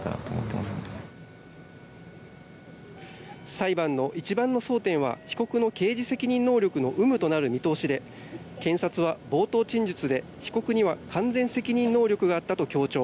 裁判の一番の争点は被告の刑事責任能力の有無となる見通しで検察は冒頭陳述で、被告には完全責任能力があったと強調。